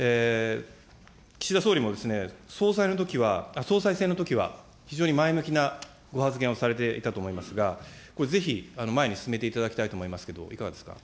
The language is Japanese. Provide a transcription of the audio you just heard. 岸田総理もですね、総裁のときは、総裁選のときは非常に前向きなご発言をされていたと思いますが、これ、ぜひ前に進めていただきたいと思いますが、いかがですか。